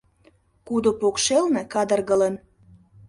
Кудо покшелне кадыргылын